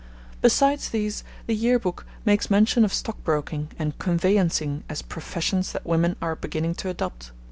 Besides these, the Year Book makes mention of stockbroking and conveyancing as professions that women are beginning to adopt.